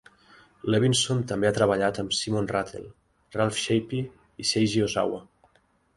Levinson també ha treballat amb Simon Rattle, Ralph Shapey i Seiji Ozawa.